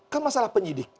kan masalah penyidik